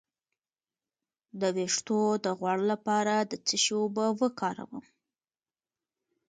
د ویښتو د غوړ لپاره د څه شي اوبه وکاروم؟